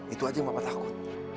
itu aja yang bapak takut